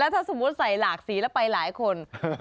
ถ้าสมมุติใส่หลากสีแล้วไปหลายคน